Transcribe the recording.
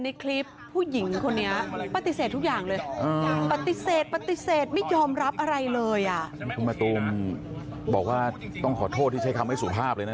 มึงโดนคดีช่อกงกกี่อันแล้วต้องเติมสุขอย่าง